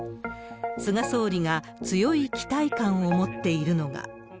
菅総理が強い期待感を持っているのが。